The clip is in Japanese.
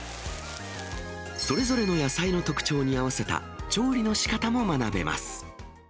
それぞれの野菜の特長に合わせた調理のしかたも学べます。